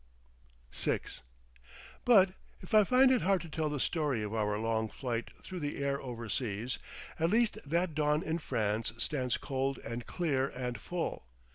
VI But if I find it hard to tell the story of our long flight through the air overseas, at least that dawn in France stands cold and clear and full.